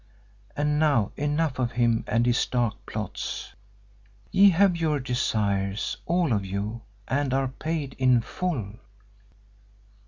And now enough of him and his dark plots. Ye have your desires, all of you, and are paid in full."